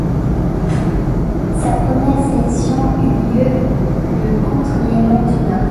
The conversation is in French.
Sa première sélection eut lieu le contre l'Irlande du Nord.